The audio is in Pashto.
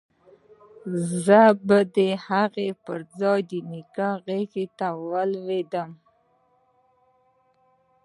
زه به د هغه پر ځاى د نيکه غېږې ته ولوېدم.